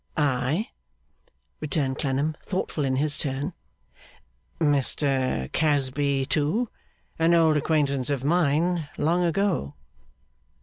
'Ay?' returned Clennam, thoughtful in his turn. 'Mr Casby, too! An old acquaintance of mine, long ago!